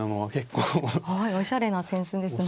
はいおしゃれな扇子ですが。